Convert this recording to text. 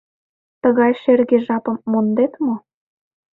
Тыгай шерге жапым мондет мо?